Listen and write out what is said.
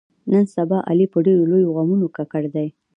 نن سبا علي په ډېرو لویو غمونو ککړ دی.